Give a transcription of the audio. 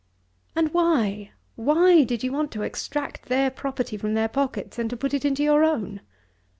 "And why? Why did you want to extract their property from their pockets, and to put it into your own?